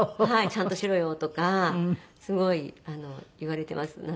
「ちゃんとしろよ」とかすごい言われていますなんか。